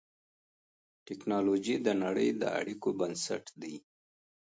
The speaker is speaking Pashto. ټکنالوجي د نړۍ د اړیکو بنسټ دی.